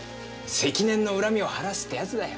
積年の恨みを晴らすってやつだよ。